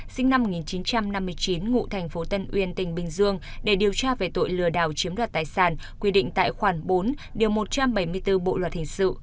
sinh năm một nghìn chín trăm năm mươi chín ngụ thành phố tân uyên tỉnh bình dương để điều tra về tội lừa đảo chiếm đoạt tài sản quy định tại khoản bốn điều một trăm bảy mươi bốn bộ luật hình sự